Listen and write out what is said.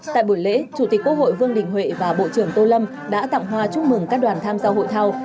tại buổi lễ chủ tịch quốc hội vương đình huệ và bộ trưởng tô lâm đã tặng hoa chúc mừng các đoàn tham gia hội thao